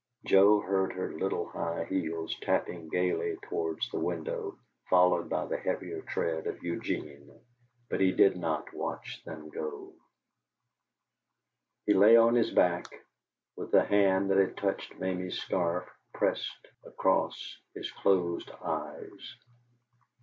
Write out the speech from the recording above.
Joe heard her little high heels tapping gayly towards the window, followed by the heavier tread of Eugene, but he did not watch them go. He lay on his back, with the hand that had touched Mamie's scarf pressed across his closed eyes.